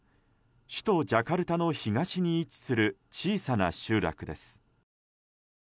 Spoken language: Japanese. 首都ジャカルタの東に位置する小さな集落です。